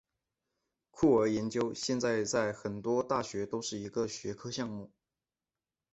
酷儿研究现在在很多大学都是一个学科项目。